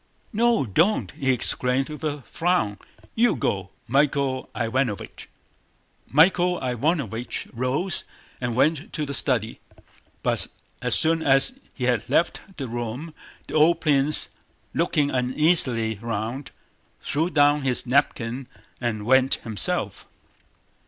"No, don't!" he exclaimed with a frown. "You go, Michael Ivánovich." Michael Ivánovich rose and went to the study. But as soon as he had left the room the old prince, looking uneasily round, threw down his napkin and went himself.